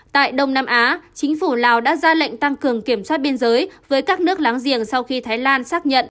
tại đông nam á chính phủ lào đã ra lệnh tăng cường kiểm soát biên giới với các nước láng giềng sau khi thái lan xác nhận